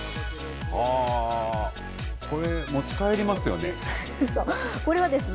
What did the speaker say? これ、持ち帰りますよね。